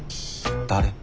誰？